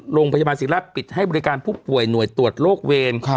โรงพยาบาลศิราชปิดให้บริการผู้ป่วยหน่วยตรวจโรคเวร